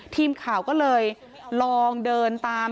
ทีมข่าวก็เลยลองเดินตาม